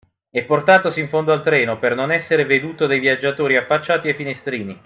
E, portatosi in fondo al treno, per non esser veduto dai viaggiatori affacciati ai finestrini